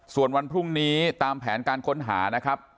ส่วนวันพรุ่งนี้ตามแผนการค้นหานะครับ